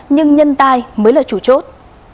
nhưng nhân tai mới là chủ chốt